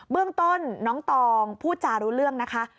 เรื่องต้นน้องตองพูดจารู้เรื่องนะคะ